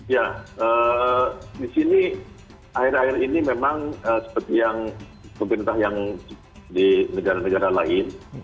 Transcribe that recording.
ya di sini akhir akhir ini memang seperti yang pemerintah yang di negara negara lain